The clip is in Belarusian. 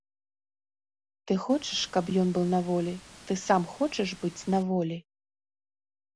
Ты хочаш, каб ён быў на волі, ты сам хочаш быць на волі.